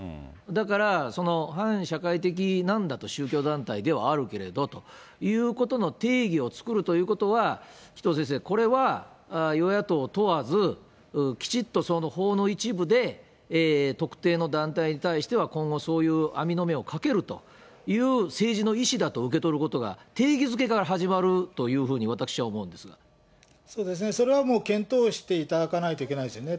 だからその反社会的なんだと、宗教団体ではあるけれどということの定義を作るということは、紀藤先生、これは与野党問わず、きちっとその法の一部で特定の団体に対しては今後そういう網の目をかけるという政治の意思だと受け取ることが定義づけから始まるそうですね、それはもう検討していただかないといけないですよね。